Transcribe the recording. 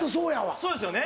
そうですよね。